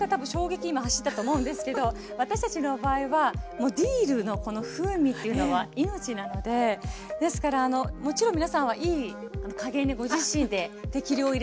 今走ったと思うんですけど私たちの場合はディルの風味っていうのは命なのでですからもちろん皆さんはいい加減でご自身で適量を入れて下さい。